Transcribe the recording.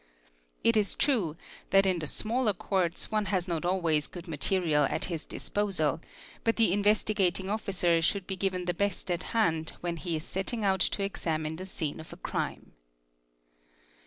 It is true that in the smaller Courts one has not awa good material at his disposal, but the Investigating Officer should given the best at hand when he is setting out to examine the scene off crime.